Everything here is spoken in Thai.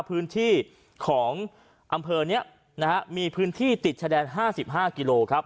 พื้นที่ของอำเภอนี้นะฮะมีพื้นที่ติดชายแดน๕๕กิโลครับ